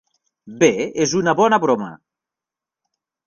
Bé, és una bona broma.